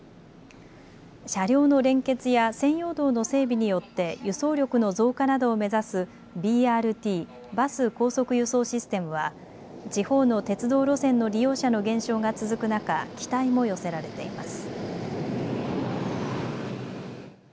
車両の連結や専用道の整備によって、輸送力の増加などを目指す、ＢＲＴ・バス高速輸送システムは、地方の鉄道路線の利用者の減少が続く中、期待も寄せられています。